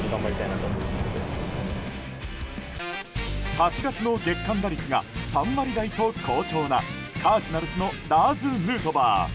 ８月の月間打率が３割台と好調なカージナルスのラーズ・ヌートバー。